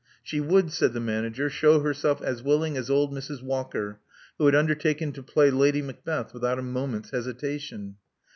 She would, said the manager, shew herself as willing as old Mrs. Walker, who had undertaken to play Lady Macbeth without a moment's hesitation.